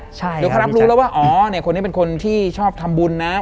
เดี๋ยวเขารับรู้แล้วว่าอ๋อเนี่ยคนนี้เป็นคนที่ชอบทำบุญนะ